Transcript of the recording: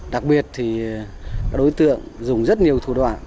đặc biệt thì các đối tượng dùng rất nhiều thủ đoạn